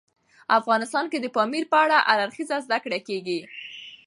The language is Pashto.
افغانستان کې د پامیر په اړه هر اړخیزه زده کړه کېږي.